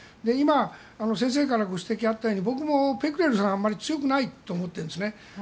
今、先生からご指摘があったように僕もペクレスさんはあまり強くないと思ってます。